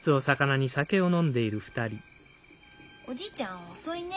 おじいちゃん遅いねえ。